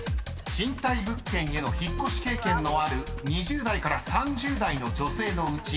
［賃貸物件への引っ越し経験のある２０代から３０代の女性］